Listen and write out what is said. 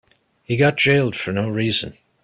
He got jailed for no reason.